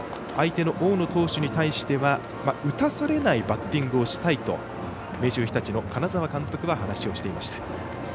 相手の大野投手に対しては打たされないバッティングをしたいと明秀日立の金沢監督は話をしていました。